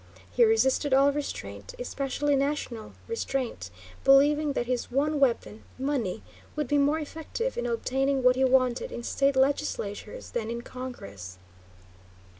He resisted all restraint, especially national restraint, believing that his one weapon money would be more effective in obtaining what he wanted in state legislatures than in Congress.